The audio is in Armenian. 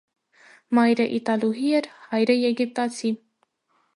Մայրը իտալուհի էր, հայրը՝ եգիպտացի։